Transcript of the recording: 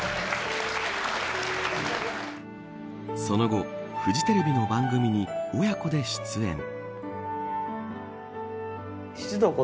その後、フジテレビの番組に親子で出演。